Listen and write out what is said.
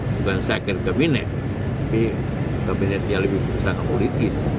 bukan second cabinet tapi kabinetnya lebih sangat politis